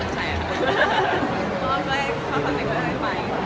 ตอนแรกไม่ได้ไหมครัว